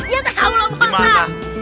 ya tau loh pak